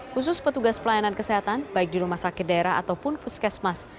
khusus petugas pelayanan kesehatan baik di rumah sakit daerah ataupun puskesmas